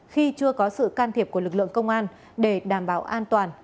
khi chưa có sự can thiệp của lực lượng công an để đảm bảo an toàn